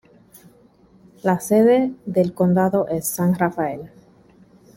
La sede del condado es San Rafael.